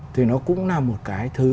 thì nó cũng là một cái thứ